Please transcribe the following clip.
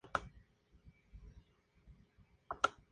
Pasó hambre, frío, durmió a la intemperie y sufrió abusos.